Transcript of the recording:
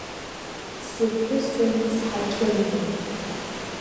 Сыԥҳәысым, сҳақьымны.